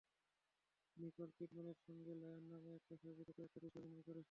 Nicole কিডম্যানের সঙ্গে Lion নামে একটা ছবিতে কয়েকটা দৃশ্যে অভিনয় করেছেন।